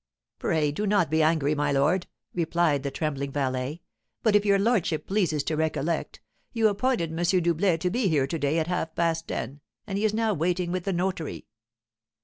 "Pray do not be angry, my lord," replied the trembling valet; "but, if your lordship pleases to recollect, you appointed M. Doublet to be here to day at half past ten, and he is now waiting with the notary."